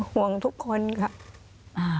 ห่วงทุกคนค่ะ